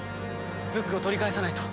ブックを取り返さないと。